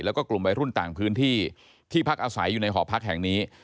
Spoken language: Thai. แล้วก็กลุ่มวัยรุ่นต่างพื้นที่ที่พักอาศัยอยู่ในหอพักแห่งนี้